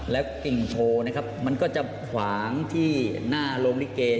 แล้วกิ่งโพมันก็จะขวางที่หน้าลมริเก